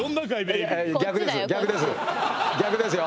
逆ですよ。